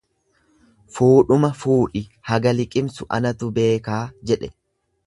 Fuudhuma fuudhi haga liqimsu anatu beekaa jedhe.